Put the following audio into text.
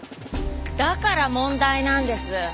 だから問題なんです。